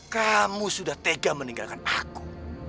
kamu sudah tega meninggalkan aku